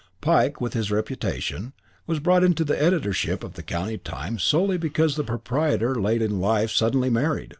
Pike, with his reputation, was brought into the editorship of the County Times solely because the proprietor late in life suddenly married.